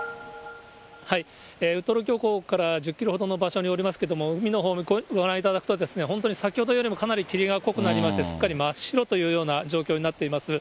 ウトロ漁港から１０キロほどの場所におりますけれども、海のほうご覧いただくと、本当に先ほどよりもかなり霧が濃くなりまして、すっかり真っ白というような状況になっています。